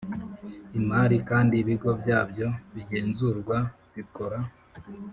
Imari kandi ibigo byabyo bigenzurwa bikora